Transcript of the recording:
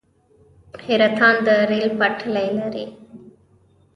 حیرتان د ریل پټلۍ لري